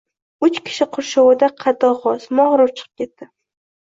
Uch kishi qurshovida qaddi g‘oz, mag‘rur chiqib ketdi…